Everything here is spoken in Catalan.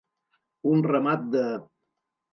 Un ramat de.